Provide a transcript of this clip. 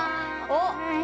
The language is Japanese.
おっ。